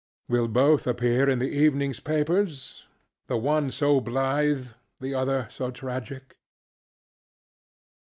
Will both appear in this eveningŌĆÖs papers? ŌĆöthe one so blithe, the other so tragic?